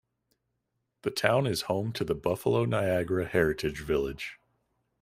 The town is home to the Buffalo Niagara Heritage Village.